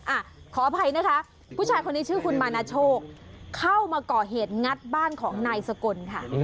อ่ะขออภัยนะคะผู้ชายคนนี้ชื่อคุณมานาโชคเข้ามาก่อเหตุงัดบ้านของนายสกลค่ะ